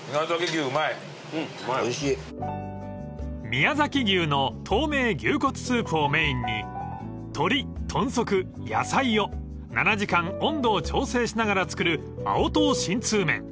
［宮崎牛の透明牛骨スープをメインに鶏豚足野菜を７時間温度を調整しながら作る青唐辛痛麺］